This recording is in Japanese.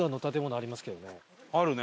あるね。